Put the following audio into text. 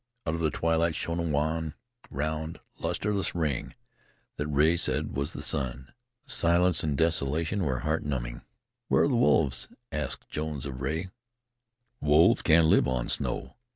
Out of the twilight shone a wan, round, lusterless ring that Rea said was the sun. The silence and desolation were heart numbing. "Where are the wolves?" asked Jones of Rea. "Wolves can't live on snow.